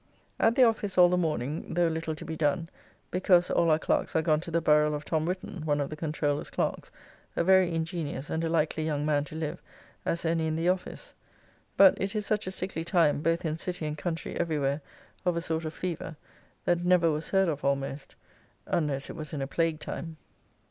At the office all the morning, though little to be done; because all our clerks are gone to the buriall of Tom Whitton, one of the Controller's clerks, a very ingenious, and a likely young man to live, as any in the Office. But it is such a sickly time both in City and country every where (of a sort of fever), that never was heard of almost, unless it was in a plague time.